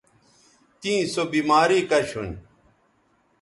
تیں سو بیماری کش ھون